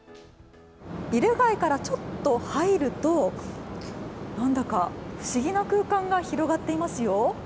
ビル街からちょっと入るとなんだか不思議な空間が広がっていますよ。